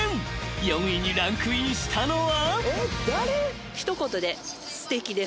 ［４位にランクインしたのは］